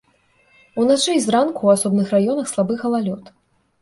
Уначы і зранку ў асобных раёнах слабы галалёд.